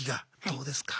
どうですか？